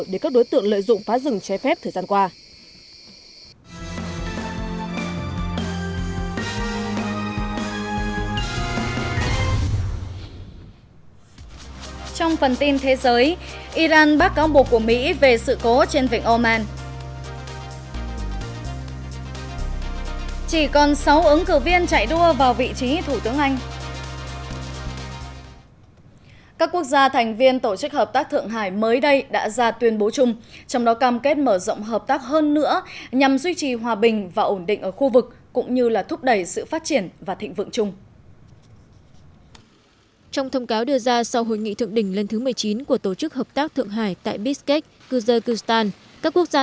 để các đối tượng lợi dụng phá rừng che phép thời gian qua